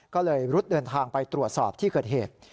ก็เลยรุดเดินทางไปตรวจสอบที่เกิดเหตุ